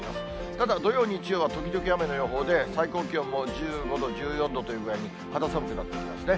ただ土曜、日曜は時々雨の予報で、最高気温も１５度、１４度という具合に、肌寒くなってきますね。